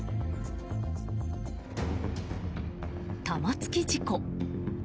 玉突き事故。